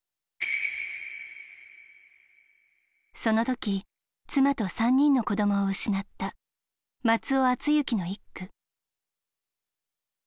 その時妻と３人の子どもを失った松尾あつゆきの一句。